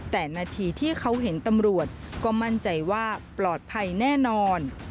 แต่นาทีที่เขาเห็นตำรวจก็มั่นใจว่าปลอดภัยแน่นอน